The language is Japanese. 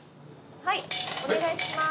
はいお願いしまーす。